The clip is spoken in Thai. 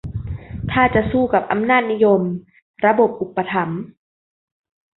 ถ้าจะสู้กับอำนาจนิยม-ระบบอุปถัมภ์